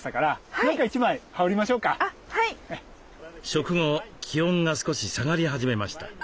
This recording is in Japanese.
食後気温が少し下がり始めました。